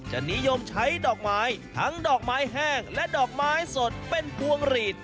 นิยมใช้ดอกไม้ทั้งดอกไม้แห้งและดอกไม้สดเป็นพวงหลีด